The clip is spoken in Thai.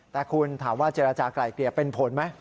แต่คุณถามว่าเจรจากลายเกลี่ยเป็นผลไหม